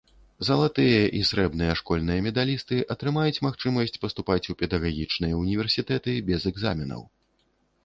Залатыя і срэбныя школьныя медалісты атрымаюць магчымасць паступаць у педагагічныя ўніверсітэты без экзаменаў.